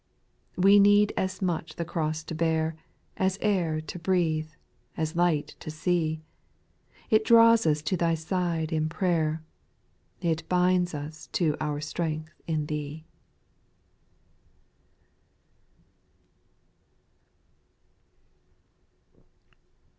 6. We need as much the cross to bear, As air to breathe —as light to see — It draws us to Thy side in prayer. It binds us to our strength in Thee.